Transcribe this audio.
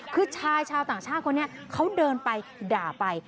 คือชายชาวต่างชาติคนนี้เขาเดินไปด่าไป